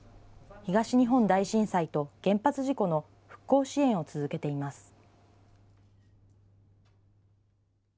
東日本大震災と原発事故の復興支援を続けています。